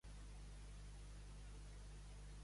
El dels serveis es farà públic demà passat.